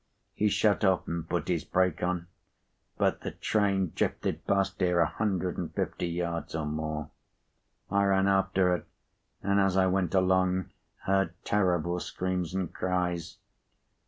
He shut off, and put his brake on, but the train drifted past here a hundred and fifty yards or more. I ran after it, and, as I went along, heard terrible screams and cries.